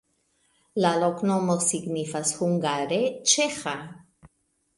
La loknomo signifas hungare: ĉeĥa.